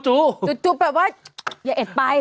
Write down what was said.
จู่แบบว่าอย่าเอ็ดไป